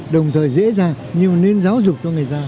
đồng thời dễ dàng nhưng mà nên giáo dục cho người ta